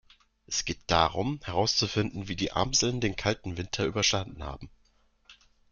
Es geht darum, herauszufinden wie die Amseln den kalten Winter überstanden haben.